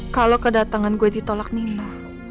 kalau kedatangan gue ditolak nila